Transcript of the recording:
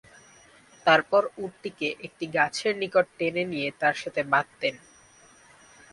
তারপর উটটিকে একটি গাছের নিকট টেনে নিয়ে তার সাথে বাঁধতেন।